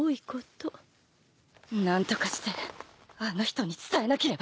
何とかしてあの人に伝えなければ